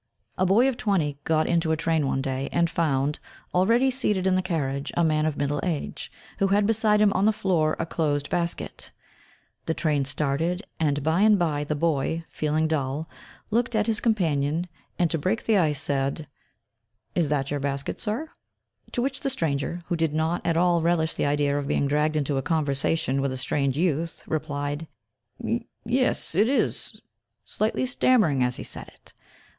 A boy of twenty got into a train one day, and found, already seated in the carriage, a man of middle age, who had beside him, on the floor, a closed basket. The train started, and by and by the boy, feeling dull, looked at his companion, and, to break the ice, said "Is that your basket, sir?" To which the stranger, who did not at all relish the idea of being dragged into a conversation with a strange youth, replied, "Yes, it is," slightly stammering as he said it.